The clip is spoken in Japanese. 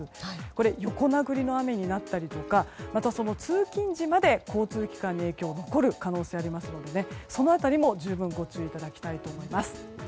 これは横殴りの雨になったりまた通勤時まで交通機関に影響が残る可能性がありますのでその辺りも注意いただきたいと思います。